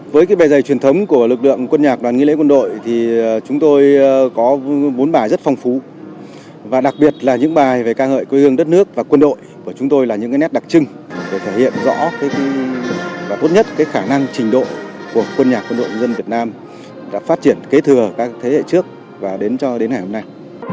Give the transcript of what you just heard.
và tốt nhất khả năng trình độ của quân nhạc quân đội nhân dân việt nam đã phát triển kế thừa các thế hệ trước và đến ngày hôm nay